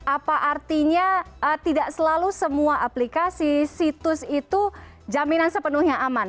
apa artinya tidak selalu semua aplikasi situs itu jaminan sepenuhnya aman